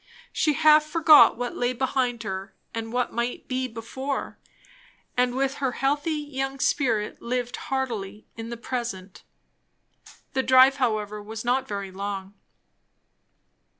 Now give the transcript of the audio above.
She half forgot what lay behind her and what might be before; and with her healthy young spirit lived heartily in the present. The drive however was not very long.